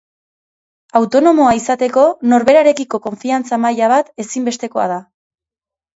Autonomoa izateko norberarekiko konfiantza maila bat ezinbestekoa da.